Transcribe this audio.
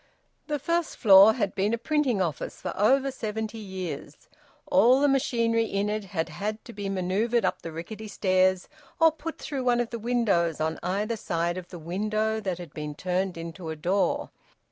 The first floor had been a printing office for over seventy years. All the machinery in it had had to be manoeuvred up the rickety stairs, or put through one of the windows on either side of the window that had been turned into a door.